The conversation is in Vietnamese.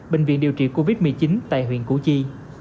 bệnh viện điều trị covid một mươi chín tại huyện củ chi